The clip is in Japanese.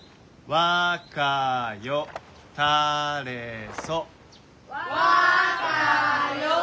「わかよたれそ」。